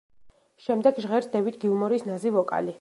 შემდეგ ჟღერს დევიდ გილმორის ნაზი ვოკალი.